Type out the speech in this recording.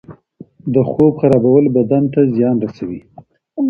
د خوب خرابول بدن ته زیان رسوي.